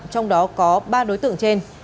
trong đó có ba đối tượng trên